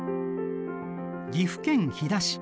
岐阜県飛騨市。